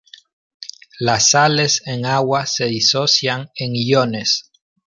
Las sales en agua se disocian en iones.